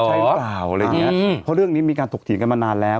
ใช่เปล่าอะไรอย่างเงี้ยเพราะเรื่องนี้มีการถกเถียงกันมานานแล้ว